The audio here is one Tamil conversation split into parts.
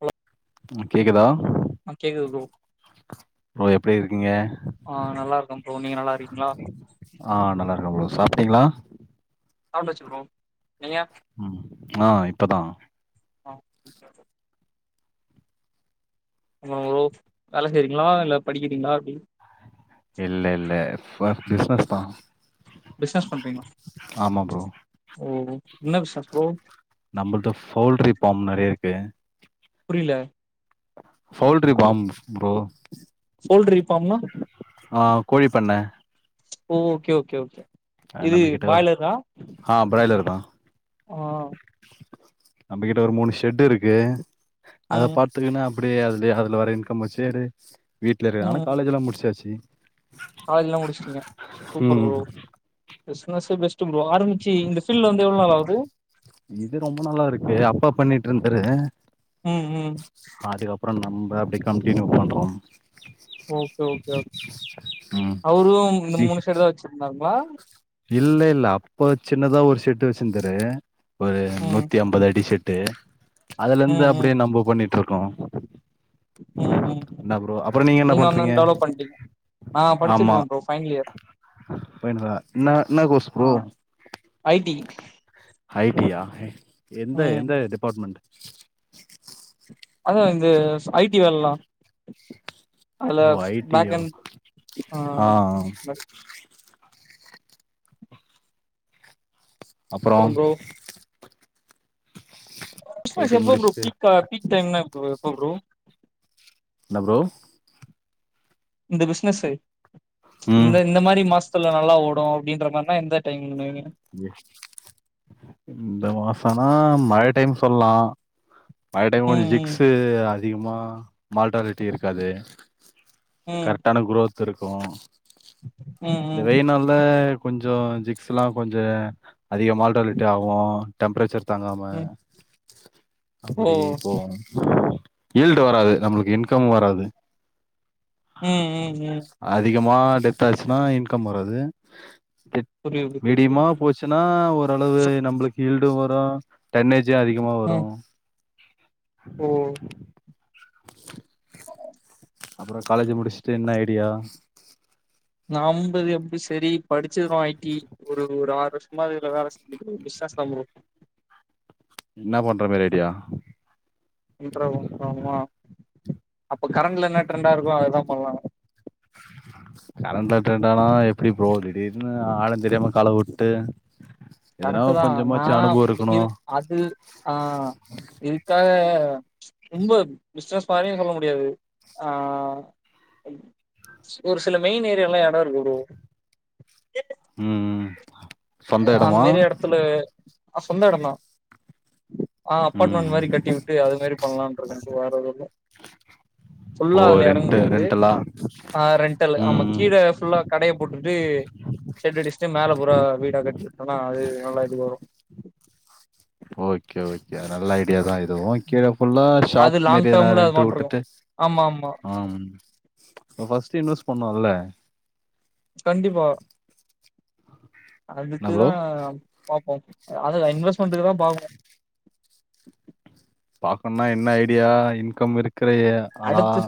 ஹலோ கேக்குதா ஹ கேக்குது ப்ரோ ஹலோ எப்டி இருக்கீங்க ஆ நல்லா இருக்கே ப்ரோ நீங்க நல்லா இருக்கீங்களா ஆ நல்லா இருக்க ப்ரோ சாப்ட்டீங்ளா சாப்டாச்சு ப்ரோ நீங்க ம் ஆ இப்பதா ஆ அப்பறோ ப்ரோ வேல செய்றீங்களா இல்ல படிக்கிறீங்களா எப்டி இல்ல இல்ல ஃபார் பிஸ்னஸ் தா பிசினஸ் பண்றீங்களா ஆமா ப்ரோ ஓ என்ன பிசினஸ் ப்ரோ நம்மள்ட்ட ஃபோல்ட்ரி ஃபார்ம் நெறைய இருக்கு புரியல poultry farm bro poultry farm நா ஆ கோழிப்பண்ண ஓ ஓகே ஓகே ஓகே இது நம்மகிட்ட பாயிலரா ஆ பிராய்லர் தா ஆ நம்மகிட்ட ஒரு மூணு ஷெட் இருக்கு அத ம் பாத் துக்குனு அப்டியே அதுலயே அதுல வர இன்கம் வச்சேரு வீட்ல இருக்கே ஆனா காலேஜ் எல்லா முடிச்சாச்சு காலேஜ்ல்லா முடிச்சிட்டீங்க சூப்பர் ம் ப்ரோ பிசினஸ் பெஸ்ட் ப்ரோ ஆரம்பிச்சி இந்த ஃபீல்டுல வந்து எவ்ளோ நாள் ஆவுது இது ரொம்ப நாளா இருக்கு அப்பா பண்ணிட்டு ருந்தாரு ம் ம் அதுக்கப்பறோ நம்ம அப்டியே கண்டினியூ பண்றோம் ஓகே ஓகே ம் அவரு இந்த நீ மூணு ஷெட் தா வச்சிருந்தாங்களா இல்ல இல்ல அப்ப சின்னதா ஒரு ஷெட்டு வச்சிருந்தாரு ஒரு ம் நூத்தி அம்பது அடி ஷெட்டு அதுல ம் இருந்து ம் அப்டியே நம்ம பண்ணிட்டு ருக்கோ ம் ம் என்ன ப்ரோ அப்பறோ நீங்க என்ன பண்றீங்க வந்து டெவலப் பண்ட்டீங்க நா படிச்சிட்டுருக்கே ப்ரோ ஃபைனல் இயர் ஃபைனல் ரா இன்னா இன்ன கோஸ் ஆ bro I T I T யா எந்த ம் எந்த டிபார்ட்மெண்ட் அதா இந்த ஸ் ஐடி வேலல்லா அதுல ஓ ஃப் ஐ டி பேக்ன் யா என்ட் ஆ அப்றோ ஐ பிசினஸ் டி எப்போ ப்ரோ முடிச்சுட்டு பீக் பீக் டைம்ன எப்ப ப்ரோ என்ன ப்ரோ இந்த பிசினஸ்சு ம் இந்த இந்த மாரி மாஸ் சல்லா நல்லா ஓடு அப்டின்ற மாரினா எந்த டைம் மேனீங் எ இந்த மாசோனா மழ டைம் சொல்லலா மழ டைம் கொஞ்சோ ம் ஜிக்ஸு அதிகமா மார்டாலிட்டி இருக்காது ம் கரெக்டான குரோத் இருக்கு ம் இந்த ம் வெயில் நாள்ல கொஞ்சோ ஜிக்ஸ்லா கொஞ்ச அதிக மார்டாலிட்டி ஆகு டெம்பரேச்சர் தாங்காம ம் ம் ஓ அப்டி போகு ஈல்டு வராது நம்மளுக்கு இன்கம் வராது ம் ம் ம் அதிகமா டெத் ஆச்சுன்னா இன்கம் வராது புரியுது புரியுது மீடியமா போச்சுனா ஓரளவு நம்பளுக்கு ஹீல்டு வரு டன்னேஜு அதிகமா வரு ம் ஓ அப்றோ காலேஜ் முடிச்சுட்டு என்ன ஐடியா நம்பது எப்டி செரி படிச்சருவோ ஐ டி ஒரு ஒரு ஆறு வருஷமா இதுல வேல செஞ்சுட்டு பிஸ்னஸ் தா ப்ரோ இன்னா பண்ற மாறி ஐடியா இண்ட்ரோவு பண்லா ஆமா அப்ப கரண்ட்ல என்னா ட்ரெண்டா இருக்கோ அததா பண்லா கரண்ட்ல டிரெண்டான எப்டி ப்ரோ திடீர்ன்னு ஆழ தெரியாம கால வுட்டு கரெக்ட் எதுனாலு தா நா கொஞ்சமாச்சு அனுபவோ இருக்கணு இது அது ஆ இதுக்காக ரொம்ப பிஸ்னஸ் மாறியு சொல்ல முடியாது ஆ ஒரு சில மெயின் ஏரியால எடோ இருக்கு ப்ரோ ம் ம் சொந்த இடமா அந்மாறி எடத்துல ஆ சொந்த எடோ தா ஆ அப்பாட்மெண்ட் ம் மாறி கட்டி வுட்டு அது மாறி பண்லாணு இருக்கே ப்ரோ வேற எதுவு இல்ல ஓ ஃபுல்லா அதுல எறங்க ரெண்ட்டு முடியாது ரெண்டலா ஆ ரெண்ட்டல் ம் ஆமா ம் கீழ ஃபுல்லா கடய போட்டுட்டு ஷெட் அடிச்சுட்டு மேலே பூரா வீடா கட்டி வுட்டோனா அது நல்லா இது வரு ஓகே ஓகே நல்ல ஐடியா தா இதுவு கீழ ஃபுல்லா அது ஷாப் லாங் மாறி எதுனா டேர்ம்ல அது ரென்ட்டு மாட்ருக்கு வுட்டுட்டு ஆமா ஆமா ஆம் நம்ம ஃபஸ்ட்டு இன்வெஸ்ட் பண்ணோல கண்டிப்பா என்ன அடுத்து ப்ரோ தா பாப்போ அதுல இன்வெஸ்மெண்ட்டுக்குதா பாக்கனு பாக்கனுனா என்ன ஐடியா இன்கம் இருக்ற எ ஆளா அடுத்து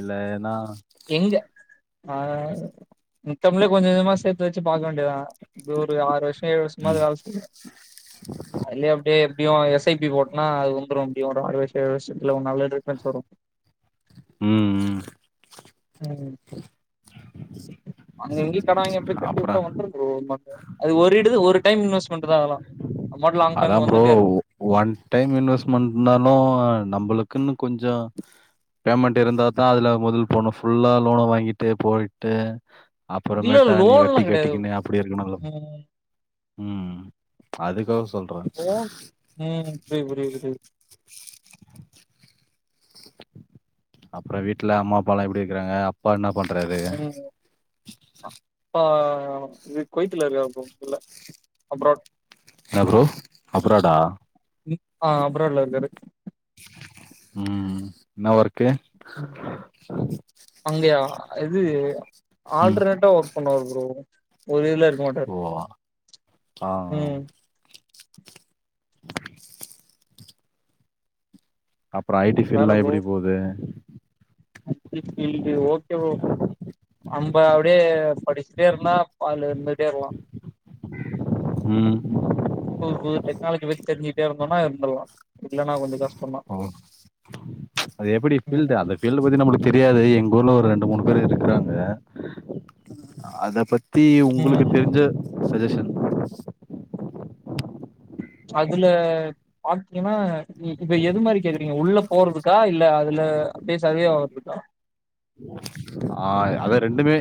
இல்லன்னா நீங்க ஆ இத்தமிழே கொஞ்சகொஞ்சமா சேர்த்து வச்சு பாக்க வேண்டியதா இது ஒரு ஆறு வருஷோ ஏழு வருஷமாவுது ம் வேல செய்னு அதுவே அப்டியே எப்டியு எஸ் ஐ பி ஓட்னா அது வந்துடு எப்டியு ஒரு ஆறு வருஷ ஏழு வருஷத்துல நல்ல டிஃப்ரெண்ஸ் வரு ம் ம் ம் அங்க இங்கயு கடன் வாங்கி அப்டியே பெரட்டி அப்றோ வுட்டா வந்துரு ப்ரோ நமக்கு அது ஒரு இடுது ஒரு டைம் இன்வெஸ்ட்மெண்ட்தா அதலா அதா ப்ரோ ஒன் டைம் இன்வெஸ்ட்மெண்ட்னாலு நம்பளுக்குன்னு கொஞ்சோ பேமெண்ட் இருந்தாதா அதுல மொதல் போணு ஃபுல்லா லோன வாங்கிட்டு போய்ட்டு இல்ல அப்புறமேட்டா நீ லோன்லா வட்டி கெடையாது கட்டிக்குனு அப்டி இருக்கணு ப்ரோ ம் ம் அதுக் ஒசோ ப்ரோ ம் புரிது புரிது புரி அப்றோ வீட்ல அம்மா அப்பாலா எப்டி இருக்கிறாங்க அப்பா என்னா பண்றாரு ம் அப்பா இது கொய்த்துல இருக்காரு ப்ரோ இல அப்ராட் என்னா ப்ரோ அப்ராடா ம் ஆ அப்ராட்ல இருக்காரு ம் என்னா வொர்க்கு ம். அங்கயா இது ஆல்டர்னேட்டா ஒர்க் பண்ணுவாரு ப்ரோ வெளில ஓ ஆ ஆம் ம் அப்றோ ஐ டி ஃபீல்ட்லா எப்டி போது I T field okay bro நம்ப அப்டியே படிச்ட்டே இருந்தா பால் இருந்துட்டே இருக்கலா ம் புது புது டெக்னாலஜி பத்தி தெரிஞ்சிட்டே இருந்தோன்னா இருந்தலா இல்லனா கொஞ்ச கஷ் ஓ அது எப்டி ஃபில்டு ம் அது பில்லு பத்தி நமளுக்கு தெரியாது எங்ஊர்ல ஒரு ரெண்டு மூணு பேரு இருக்கிறாங்க அத பத் தி ம் உங்களுக்கு ம். தெரிஞ்ச சஜஷன் அதுல ஹாட்ஃப்லீமா இ இப்பஎது மாரி கேக்குறீங்க உள்ள போறதுக்கா இல்ல அதுல அப்டியே சரியாவருதுகா ஆ அதா ரெண்டுமே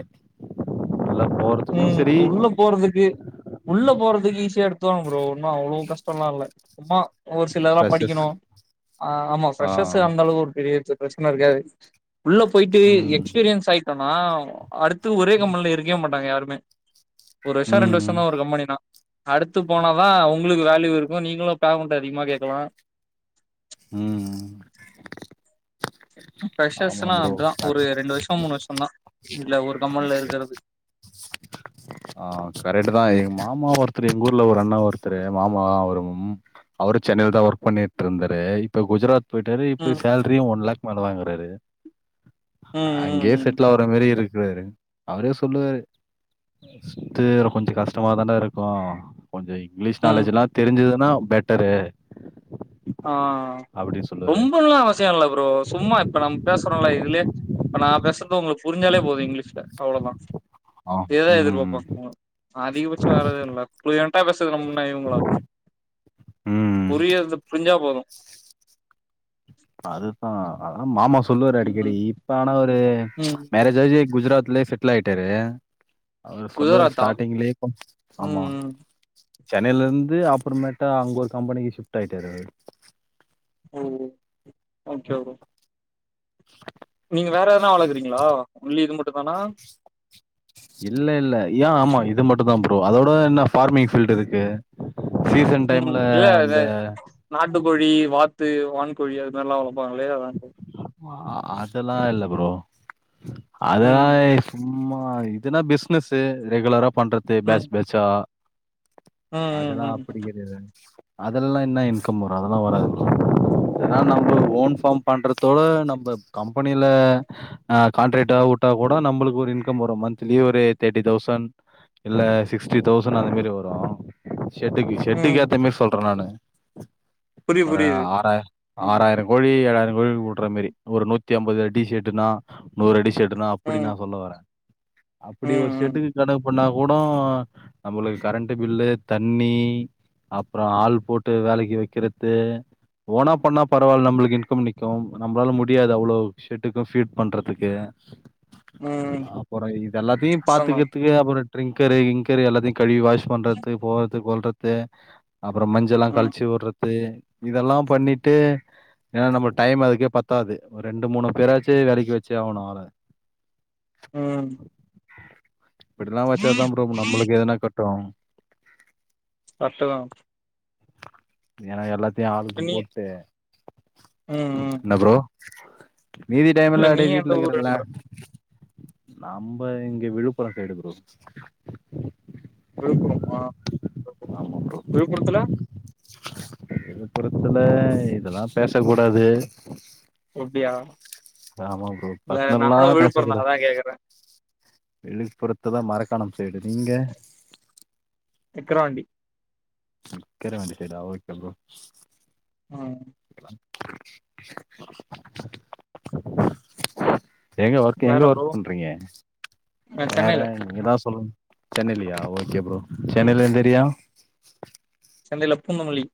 உள்ள போற ம் உள்ளப் போறதுக்கு உள்ள போறதுக்கு ஈஸியா எடுத்துருவாங்க ப்ரோ ஒன்னு அவ்ளோ கஷ்டோல்லா இல்ல உம்மா ஓரு சிலெல்லதுலா ஃப்ரெஷர்ஸ் படிக்கணு ஆ ஆமா ஆ ஃப்ரெஷ்ஸ்சர்சுஅந்த அளவுக்கு ஒரு பெரிய பிரச்சன இருக்காது உள்ள போயிட்டு ம் எக்ஸ்பீரியன்ஸ் ஆயிட்டோனா அடுத்து ஒரே கம்பெனில இருக்கவே மாட்டாங்க யாருமே ஒரு வருஷோ ரெண்டு வருஷோ ம் தா ஒரு கம்பெனினா அடுத்து போனாதா உங்களுக்கு வேல்யூ இருக்கு நீங்களு பேமெண்ட் அதிகமா கேக்கலா ம் ம் ஃப்ரஷர்ஸ்னா அப்டிதா ஒரு ரெண்டு வருஷோ மூணு வருஷோ தா இதுல்ல ஒரு கம்பெனில இருக்கறது ஆ கரெக்ட்டு தா எங்க மாமா ஒருத்தரு எங்க ஊர்ல ஒரு அண்ணா ஒருத்தரு மாமா அவரும் அவரு சென்னைல தா ஒர்க் பண்ணிட்டு இருந்தாரு இப்போ குஜராத் போயிட்டாரு இப்ப ம் சேல்ரியு ஒன் லேக் மேல வாங்கறாரு ம் ம் அங்கயே ம் செட்லாவ றமேரி இருக்கிறாரு அவரே சொல்லுவாரு ஃபஸ்ட்டு கொஞ்சோ கஷ்டமா தான்டா இருக்கு கொஞ்சோ இங்கிலீஷ் ம் நாலேஜ்ஜில்லா தெரிஞ்சுதுன்னா பெட்டரு ஆ அப்டின்னு சொல்லுவாரு ரொம்பலா அவ சியோ இல்ல ப்ரோ சும்மா இப்ப நம்ம பேசுறோல்ல இதுலே நா பேசுற ப்ரோ உங்களுக்கு புரிஞ்சாலே போது இங்கிலீஷ்ல அவ்ளோதா ஆ இததா ம் எதிர்பாப்பாங்க அதிகபட்சோ வேறெது இல்ல ஃப்லுயன்ட் டா பேச நம்ம என்ன இவுங்களா ம் புரியருது புரிஞ்சா போது அதுதா அதா மாமா சொல்லுவாரு அடிக்கடி ம் இப்ப ஆனா அவரு ம் மேரேஜ் ஜி ஆயி குஜராத்லயே செட்டில்லாயிட்டாரு அவர் சொல்லுவாரு குஜராத்தா ஸ்டார்ட்டிங்லயே இப்ப ம் ஆமா ம் சென்னையில இருந்து அப்பறமேட்டா அங்க ஒரு கம்பெனிக்கு ஷிஃப்ட் ஆயிட்டரு அவரு ஓ ஓகே ப்ரோ நீங்க வேற எதனா வளக்குறீங்களா ஒன்லி இது மட்டு தானா இல்ல இல்ல ஏ ஆமா இது மட்டு தா ப்ரோ அதோட என்ன ஃபார்மிங் ஃபீல்டு இருக்கு சீசன் ம் டைம்ல இல்ல இது அந்த நாட்டுக்கோழி வாத்து வான்கோழி அதுமாதிரில்லா வளப்பாங்களே அதா கேட்ட ஆமா அதெல்லா இல்ல ப்ரோ அதலை ம் சும்மா இதுனா பிஸ்னஸ்சு ரெகுலரா பண்றது ம் பேச் பேச்சா ம் ம் அதெல்லா ம் அப்டி கடையாது அதெல்லா என்னா இன்கம் வரு அதெல்லா வராது ப்ரோ ஏன்னா நம்ம ஓன் பாம் பண்றது த்தோட நம்ப கம்பெனில அ கான்ட்ரெக்ட்டா உட்டா கூட நம்பளுக்கு ஒரு இன்கம் வரு மந்திலி ஒரு தேர்ட்டி தௌசண்ட் இல்ல சிக்ஸ்டி தௌசண்ட்அந்த மாரி வரு ஷெட்டுக்கு ஷெட்டுக்கு ம் ஏத்தமாரி சொல்ற நானு புரிய ஒரு புரியுது ஆறாய ம் ஆறாயிரம் கொழி ஏளாயிரம் கோழி வுட்ற மாரி ஒரு நூத்தி அம்பது அடி சேட்டுனா நூறு அடி ஷர் ட்டுனா அப்டி நா ம் சொல்ல வார அப்டி ஒரு ம் ம் சேட்டுக்கு கணக்கு பண்ணா கூட நம்மளுக்கு கரண்ட் பில்லு தண்ணி அப்புறம் ஆள் போட்டு வேலைக்கு வைக்கறது ஓனா பண்ணா பரவாயில்ல நம்மளுக்கு இன்கம் நிக்கும் நம்மளால முடியாது அவ்ளோ ஷெட்டுக்கும் ஃபீட் பண்றதுக்கு ம் அப்பறம் இது எல்லாத்தையும் சொன்னா பாத்துக்கிறதுக்கு அப்புறம் ட்ரிங்க்கரு கிங்க்கரு எல்லாத்தையு கழுவி வாஷ் பண்றது போறதுக்கு கொல்றது அப்பறம் மஞ்சல்லாம் ம் கழச்சு வுடுற து இதெல்லாம் பண்ணிட்டு ஏன்னா நம்ம டைம் அதுக்கே பத்தாது ஒரு ரெண்டு மூணு பேராச்சும் வேலைக்கு வச்சு ஆகணும் ஆள ம் இப்டிலாம் வச்சா தான் ப்ரோ நம்மளுக்கு எதனா கட்டும் கரெட்டு தான் ஏனா எல்லாத்தையும் ஆளுக்கு நீ போட்டு் ம் ம் இன்ன ப்ரோ மீதி டைம் இல்ல எல்லாம் நீ அப்டியே வீட்ல எந்த இருக்கறல்ல ஊருன்ற நம்ப இங்க விழுப்புரம் சைடு ப்ரோ விழுப்புரம்மா ஆமா ப்ரோ விழுப்புரத்துல விழுப்புரத்துல இதெல்லாம் பேச கூடாது அப்டியா ஆமா ப்ரோ இல்ல நானு பர்ஸ்னல்லாம் பேசக் விழுப்புரம் கூடாது அதா கேக்குறே விழுப்புறத்துல மரக்கானம் சைடு நீங்க சிக்றாண்டி சிக்கறாண்டி சரி ஓகே ப்ரோ அ கண்டிப்பா எங்க ஒர்க் எங்க வேற ப்ரோ ஒர்க் பண்றீங்க நா வேற சென்னைல நீ தா சொல்லும் சென்னைலியா ஓகே ப்ரோ ம் சென்னைல எந்த ஏரியா சென்னைல பூந்தமல்லி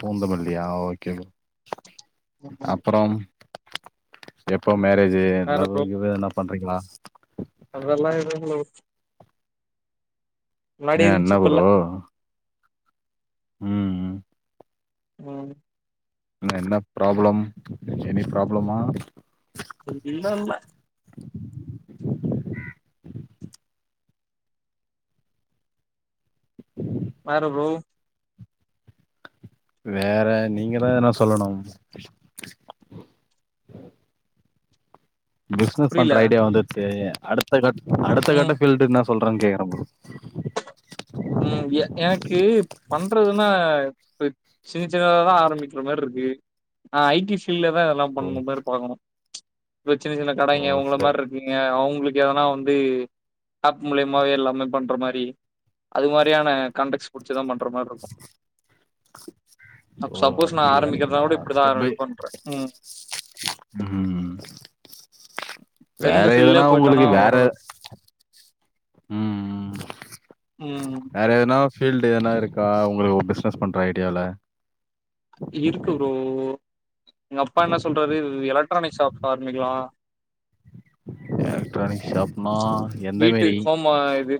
பூந்தமல்லியா ஓகே ம். அப்புறம் எப்போ மேரேஜ் வேற லவ்வு ப்ரோ கிவ்வு எதன்னா பண்றீங்களா அதெல்லா இல்ல ப்ரோ முன்னாடி ஏன் என்ன இருந்துச்சு இப்ப ப்ரோ இல்ல ம் ம் ம் என்ன ப்ராப்ளம் எனி ப்ராப்ளமா இல்லல்ல வேற ப்ரோ வேற நீங்க தான் எதனா சொல்லணும் பிஸ்னஸ் புரியல பண்ற ஐடியா வந்துருச்சு அடுத்த க அடுத்த ம் கட்ட பீல்டு என்னா சொல்றங் கேக்குறன் ப்ரோ உம் எ எனக்கு பண்றதுன்னா சின்ன சின்னதா தான் ஆரமிக்ர மாரி இருக்கு ஆ ஐ டி ஃபீல்டுல தான் இதெல்லாம் ஓ பண்ணுனு மாரி பாக்கணும் இப்ப சின்ன சின்ன ஓ கடைங்க உங்கள ஸ்டெப் மார் நீங்க அவங்களுக்கு எதனா வந்து ஆப் மூலியமாவே எல்லாமே பண்ற மாரி அது மாரியான காண்டக்ஸ் புடிச்சிதான் பண்ற மாரி இருக்கும் ஓ அப்டி வரீங்களா இப்படிதான் ஸ்டெப் பை ஆரம்பிப்பேன்ற. ம். ம் தெரிஞ்ச வேற எதுனா ஃபீல்ட்லயே போயிட்டோம்னா உங்குளுக்கு வேற ஓரளவு ம் ம் ம் வேற எதுனா ஃபீல்டு எதுன இருக்கா உங்களுக்கு பிஸ்னஸ் பண்ற ஐடியால இருக்கு ப்ரோ எங்க அப்பா என்ன சொல்றாரு எலக்ட்ரானிக் ஷாப் ஆரம்பிக்கலா எலக்ட்ரானிக் ஷாப்னா எந்த மாரி ம இது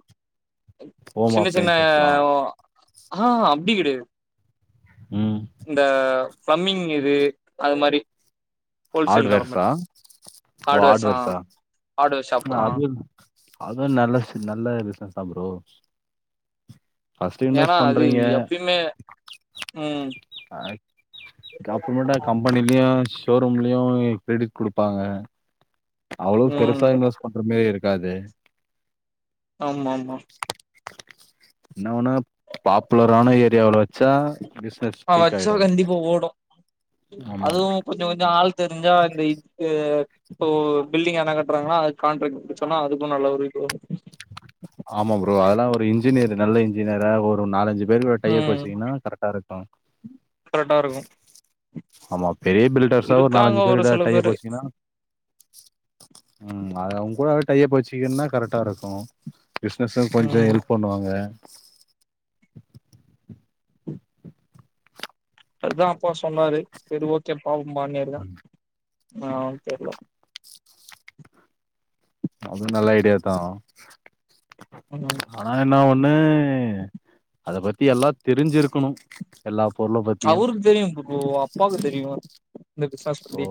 சின்ன சின்ன அப்ளையன்சஸ்லாம். ஆ அப்டி கெடையாது ம் இந்த பஃமிங் இது அது மாரி ஹோல்சேல் கட மாரி ஹார்ட்வேர்ஸா? ஹார்ட்வேர்ஸ் ஆ ஹார்ட்வேர் ஷாப் ஆ அது அதுவு நல்ல நல்ல பிசினஸ் தா ப்ரோ ஃபர்ஸ்ட்டு ஏன்னா இன்வெஸ்ட் அது பண்றீங்க. எப்பயுமே ம் அப்புறமேட்டா கம்பெனிலயு ஷோரூம்லயு கிரடிட் குடுப்பாங்க அவ்ளோ பெருசா ம். இன்வெர்ஸ்ட் பண்ற மாரி இருக்காது ஆமாமா நா வு னா பாப்புலரான ஏரியாவுல வச்சா பிஸ்னஸ் ஸ்பீக் ஆயிடு இப்ப ஓடு அதுவு கொஞ்சோ கொஞ்சோ ஆள் தெரிஞ்சா இந்த க்கு இப்போ பில்டிங் எதுனா கட்டுறாங்கன்னா அது காண்ட்ராக்ட் புடுசொன்னா அதுக்கு நல்ல ஒரு இது வரு ஆமா ப்ரோ அதெல்லா ஒரு இன்ஜினியரு நல்ல இன்ஜினியரா ஒரு நாலஞ்சு வெருற டையப்பு ம் வச்சிங்கன்னா கரெக்டா இருக்கு கரெக்டா இருக்கு ஆமா ப் பெரிய பில்டர்ஸா ஒரு இருக்காங்க நாலஞ்சு பேர்ட சில டையப்பு பேரு வச்சிங்கனா ம் அது அவங்க கூட டையப்பு வச்சிகின்னா கரெக்டா இருக்கு பிஸ்னஸு கொஞ்சோ ம் ஹெல்ப் பண்ணுவாங்க அதுதா அப்பா சொன்னாரு சரி ஓகேப்பா ஓமாமியார்தா ஆ தெர்ல அது நல்ல ஐடியா தா ஆங்கா ஆனா என்ன ஒன்னு அத பத்தி எல்லா தெரிஞ்சிருக்கணு எல்லா பொருள பத் அவருக்கு தெரியு ப்ரோ அப்பாவுக்கு தெரியு இந்த பிசினஸ் பத்தி